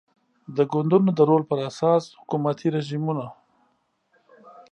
د ګوندونو د رول پر اساس حکومتي رژیمونه